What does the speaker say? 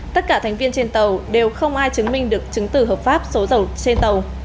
tất cả thành viên trên tàu đều không ai chứng minh được chứng tử hợp pháp số dầu trên tàu